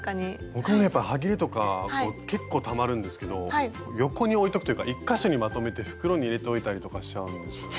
僕もねやっぱりはぎれとか結構たまるんですけど横に置いとくというか１か所にまとめて袋に入れておいたりとかしちゃうんですよね。